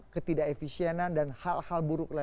ketidak efisienan dan hal hal buruk